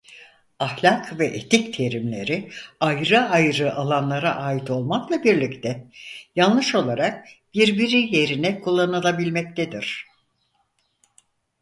Ahlak ve etik terimleri ayrı ayrı alanlara ait olmakla birlikte yanlış olarak birbiri yerine kullanılabilmektedir.